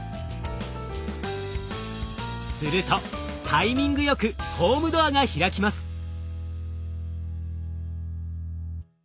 するとタイミングよくホームドアが開きます。